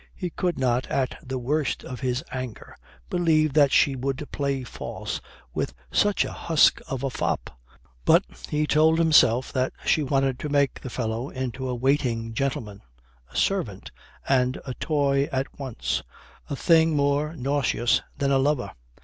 He could not, at the worst of his anger, believe that she would play false with such a husk of a fop; but he told himself that she wanted to make the fellow into a waiting gentleman, a servant, and a toy at once a thing more nauseous than a lover.